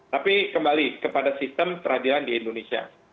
tapi kembali kepada sistem peradilan di indonesia